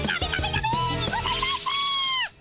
ダメにございます！